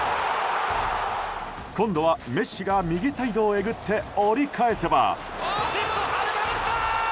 今度はメッシが右サイドをえぐって折り返せば。